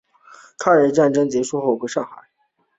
抗日战争结束后回到上海。